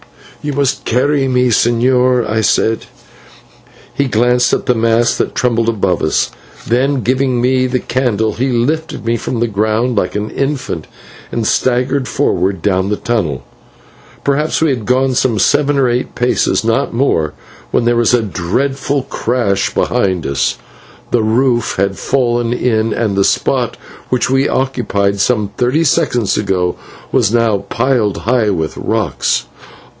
"You must carry me, señor," I said. He glanced at the mass that trembled above us; then, giving me the candle, he lifted me from the ground like an infant and staggered forward down the tunnel. Perhaps we had gone some seven or eight paces, not more, when there was a dreadful crash behind us. The roof had fallen in, and the spot which we occupied some thirty seconds before was now piled high with rocks.